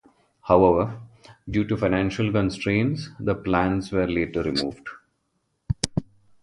However, due to financial constraints, the plants were later removed.